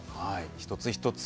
一つ一つ